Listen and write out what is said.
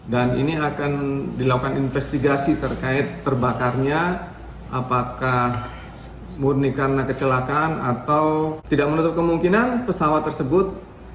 dan ini akan dilakukan investigasi terkait terbakarnya apakah murni karena kecelakaan atau tidak menutup kemungkinan pesawat tersebut